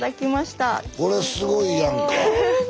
これすごいやんか。